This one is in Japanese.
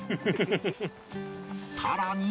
さらに